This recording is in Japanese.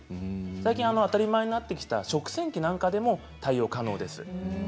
最近、当たり前になってきた食洗機にも対応可能です。